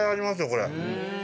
これ。